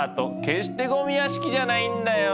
決してゴミ屋敷じゃないんだよ。